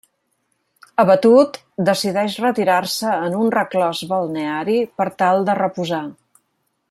Abatut, decideix retirar-se en un reclòs balneari per tal de reposar.